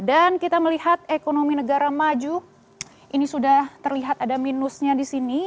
dan kita melihat ekonomi negara maju ini sudah terlihat ada minusnya di sini